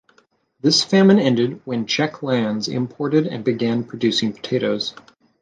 This famine ended when Czech lands imported and began producing potatoes.